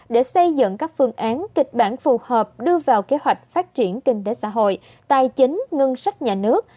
để xây dựng các phương án kịch bản phù hợp đưa vào kế hoạch phát triển kinh tế xã hội tài chính ngân sách nhà nước